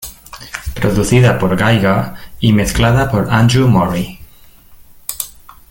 Producida por Geiger y mezclada por Andrew Maury.